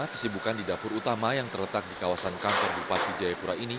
kesibukan di dapur utama yang terletak di kawasan kantor bupati jayapura ini